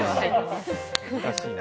難しいな。